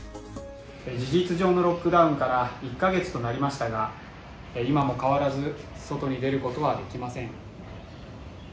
事実上のロックダウンから１カ月となりましたが今も変わらず外に出ることはできません。